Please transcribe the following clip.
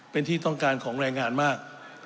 เป็นที่ต้องการของแรงงานมาก